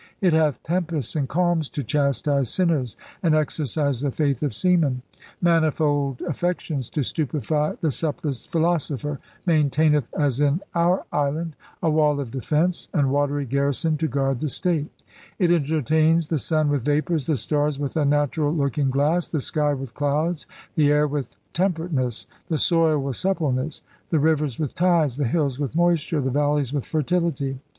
It hath tempests and calms to chastise sinners and exercise the faith of seamen; manifold affections to stupefy the subtlest philosopher, maintaineth (as in Our Island) a wall of defence and watery garrison to guard the state. It entertains the Sun with vapors, the Stars with a natural looking glass, the sky with clouds, the air with temperateness, the soil with suppleness, the rivers with tides, the hills with moisture, the valleys with fertility.